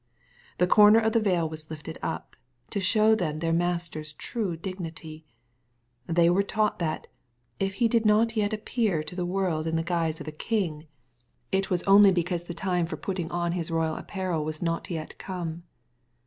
The corner of the ▼eil was lifted up, to show them their Master's true dignity. They were taught that, if He did not yet appear to the world in the guise of a king, it was only 206 EXPOSITOBT THOUGHTS. because the time for putting on His royal apparel was not yet come.